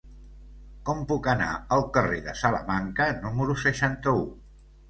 Com puc anar al carrer de Salamanca número seixanta-u?